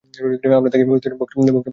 আমরা তাকে বক্স মধ্যে ঢুকাতে পারি না।